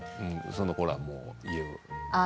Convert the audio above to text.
そのころはもう家を？